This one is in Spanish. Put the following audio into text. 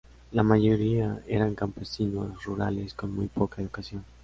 La mayoría eran campesinos rurales con muy poca educación.